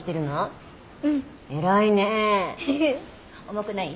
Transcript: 重くない？